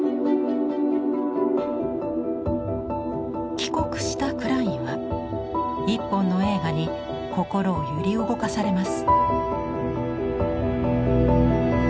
帰国したクラインは一本の映画に心を揺り動かされます。